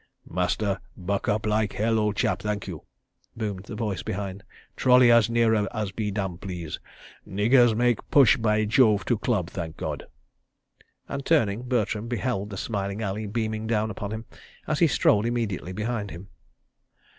"Master buck up like hell, ole chap, thank you," boomed a voice behind. "Trolley as nearer as be damned please. Niggers make push by Jove to Club, thank God," and turning, Bertram beheld the smiling Ali beaming down upon him as he strolled immediately behind him.